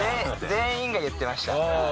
全員が言ってました。